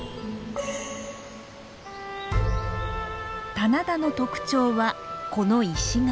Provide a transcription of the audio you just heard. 棚田の特徴はこの石垣。